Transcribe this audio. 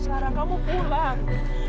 sekarang kamu pulang